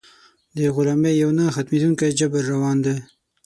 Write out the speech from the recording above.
د غلامۍ یو نه ختمېدونکی جبر روان دی.